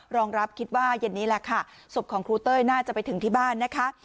รองรับคิดว่าเย็นนี้แหละค่ะศพของครูเต้ยน่าจะไปถึงที่บ้านนะคะ